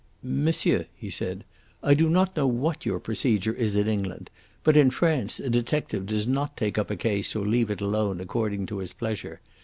"Monsieur," he said, "I do not know what your procedure is in England. But in France a detective does not take up a case or leave it alone according to his pleasure.